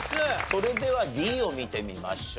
それではＤを見てみましょう。